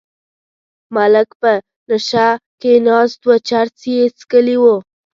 ملک په نشه کې ناست و چرس یې څکلي وو.